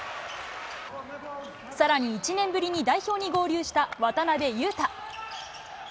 さらに１年ぶりに代表に合流した渡邊雄太。